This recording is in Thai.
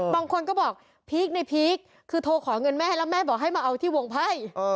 บางคนก็บอกพีคในพีคคือโทรขอเงินแม่แล้วแม่บอกให้มาเอาที่วงไพ่